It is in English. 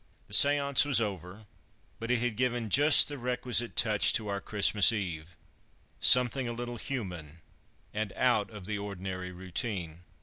The séance was over, but it had given just the requisite touch to our Christmas Eve something a little human and out of the ordinary routine.